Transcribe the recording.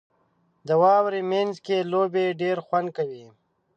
• د واورې مینځ کې لوبې ډېرې خوند کوي.